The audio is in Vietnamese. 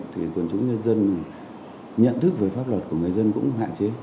thì quần chúng nhân dân nhận thức về pháp luật của người dân cũng hạn chế